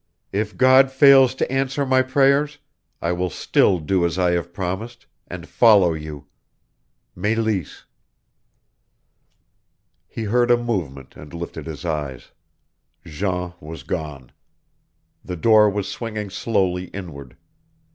If God fails to answer my prayers I will still do as I have promised and follow you." "Meleese." He heard a movement and lifted his eyes. Jean was gone. The door was swinging slowly inward.